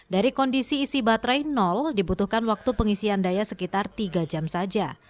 dari kondisi isi baterai dibutuhkan waktu pengisian daya sekitar tiga jam saja